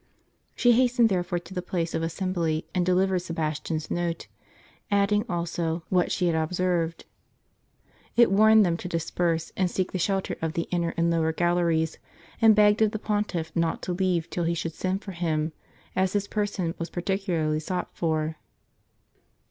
She hastened therefore to the place of assembly and deliv ered Sebastian's note; adding also what she had observed. It wai'ned them to disperse and seek the shelter of the inner and lower galleries ; and begged of the Pontiff not to leave till he should send for him, as his person was i^articularly sought for.